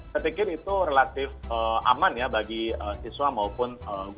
saya pikir itu relatif aman bagi siswa maupun